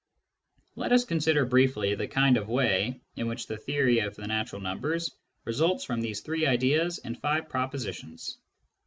Let us consider briefly the kind of way in which the theory of the natural numbers results from these three ideas and five propositions.